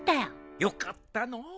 よかったのう。